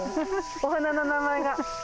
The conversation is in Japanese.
お花の名前が。